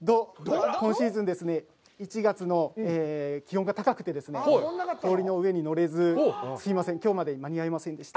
今シーズンですね、１月の気温が高くてですね、氷の上にのれずすみません、きょうまでに間に合いませんでした。